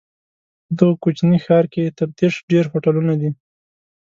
په دغه کوچني ښار کې تر دېرش ډېر هوټلونه دي.